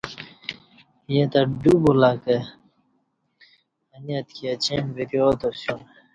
ییں تہ ڈو بُولہ کہ انی اتکی اچیں وریا تاسیوم